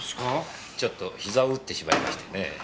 ちょっとヒザを打ってしまいましてね。